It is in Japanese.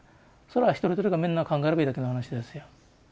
それは一人一人がみんな考えればいいだけの話ですよ。